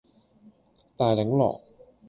大檸樂